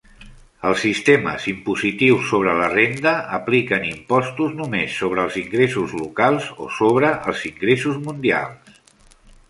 Els sistemes impositius sobre la renda apliquen impostos només sobre els ingressos locals o sobre els ingressos mundials.